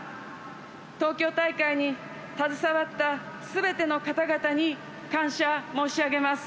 東京大会に携わったすべての方々に感謝申し上げます。